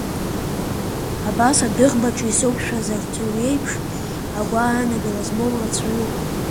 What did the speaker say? Абас адәыӷбаҿы исықәшәаз арҵаҩ еиԥш, агәаанагара змоу рацәаҩуп.